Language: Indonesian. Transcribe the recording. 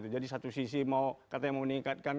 jadi satu sisi katanya mau meningkatkan